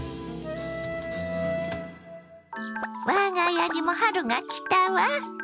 我が家にも春が来たわ。